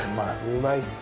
うまいっす。